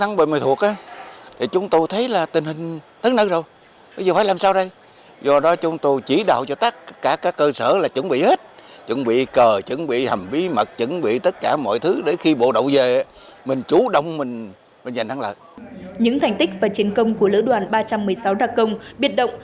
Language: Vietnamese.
những thành tích và chiến công của lưu đoàn ba trăm một mươi sáu đà công biệt động